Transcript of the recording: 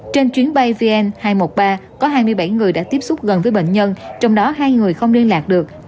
trên chuyến bay vn hai trăm một mươi ba có hai mươi bảy người đã tiếp xúc gần với bệnh nhân trong đó hai người không liên lạc được